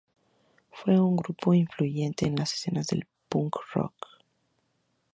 Fue un grupo influyente en la escena del punk rock.